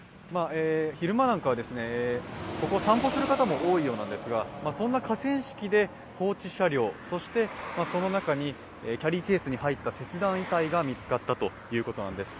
昼間なんかはここを散歩する方も多いようなんですが、そんな河川敷で放置車両、そして、その中にキャリーケースに入った切断遺体が見つかったということなんです。